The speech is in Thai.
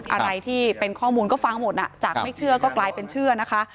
อะไรที่เป็นข้อมูลก็ฟังหมดจากไม่เชื่อก็กลายเป็นเชื่อนะคะ